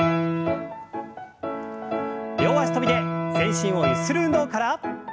両脚跳びで全身をゆする運動から。